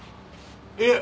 いえ。